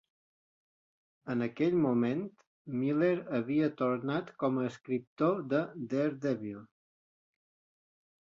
En aquell moment, Miller havia tornat com a escriptor de "Daredevil".